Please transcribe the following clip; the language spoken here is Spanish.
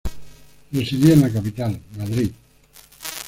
Residía en la capital, Madrid.